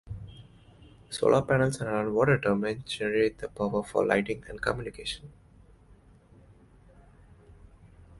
Solar panels and underwater turbines generate the power for lighting and communication.